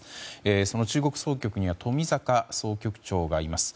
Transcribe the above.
その中国総局には冨坂総局長がいます。